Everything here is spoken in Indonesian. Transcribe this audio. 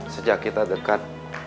sejak kita dekat